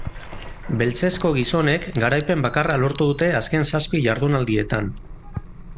Beltzezko gizonek garaipen bakarra lortu dute azken zazpi jardunaldietan.